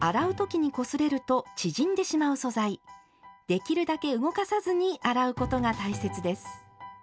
できるだけ動かさずに洗うことが大切です。